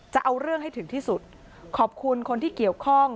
จะเอาเรื่องให้ถึงที่สุดขอบคุณคนที่เกี่ยวข้อง